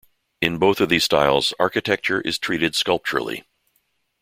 In both of these styles architecture is treated sculpturally.